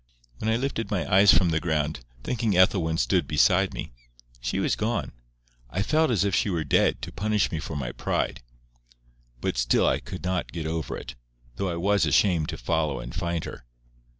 When I lifted my eyes from the ground, thinking Ethelwyn stood beside me, she was gone. I felt as if she were dead, to punish me for my pride. But still I could not get over it, though I was ashamed to follow and find her.